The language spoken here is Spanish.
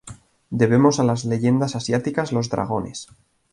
Debemos a las leyendas asiáticas los dragones.